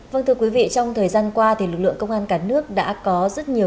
vâng thưa quý vị trong thời gian qua thì lực lượng công an cả nước đã có rất nhiều